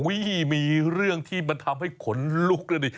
มีเรื่องที่มันทำให้ขนลุกแล้วดี